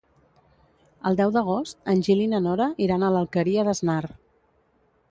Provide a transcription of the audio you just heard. El deu d'agost en Gil i na Nora iran a l'Alqueria d'Asnar.